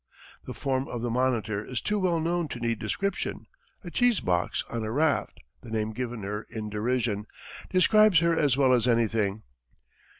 The form of the Monitor is too well known to need description "a cheese box on a raft," the name given her in derision, describes her as well as anything.